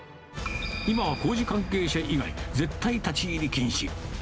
今は工事関係者以外、絶対立ち入り禁止。